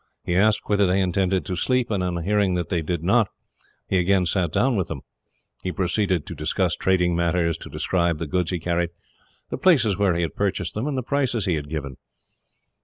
He asked whether they intended to sleep, and on hearing that they did not, he again sat down with them. He proceeded to discuss trading matters, to describe the goods he carried, the places where he had purchased them, and the prices he had given.